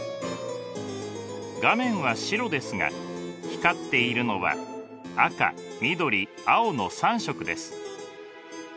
画面は白ですが光っているのは赤緑青の３色です。